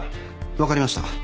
分かりました。